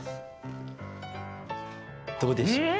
どうでしょう？